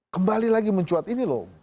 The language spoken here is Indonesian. kembali lagi mencuat ini loh